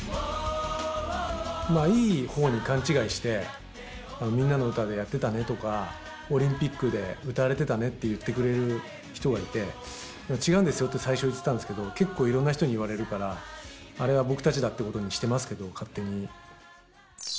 まあいい方に勘違いして「みんなのうた」でやってたねとかオリンピックで歌われてたねって言ってくれる人がいて違うんですよって最初言ってたんですけど結構いろんな人に言われるからあれは僕たちだってことにしてますけど勝手に。